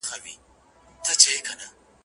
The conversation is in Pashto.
پر شنو بانډو به ګرځېدله مست بېخوده زلمي